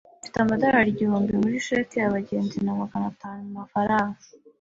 Mfite amadorari igihumbi muri cheque yabagenzi na magana atanu mumafaranga.